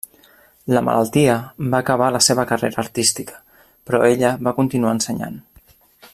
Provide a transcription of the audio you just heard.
La malaltia va acabar la seva carrera artística, però ella va continuar ensenyant.